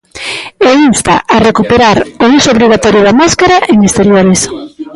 E insta a recuperar o uso obrigatorio da máscara en exteriores.